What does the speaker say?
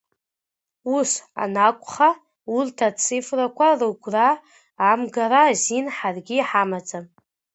Ус анакәха, урҭ ацифрақәа рыгәра амгара азин ҳаргьы иҳамаӡам.